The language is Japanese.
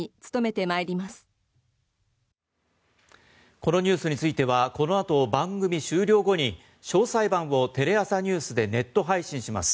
このニュースについてはこの後番組終了後に詳細版をテレ朝ｎｅｗｓでネット配信します。